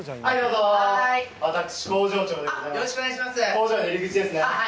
工場の入り口ですね。